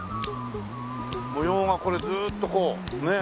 模様がこれずっとこうねえ。